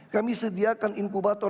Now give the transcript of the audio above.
kami sediakan inkubator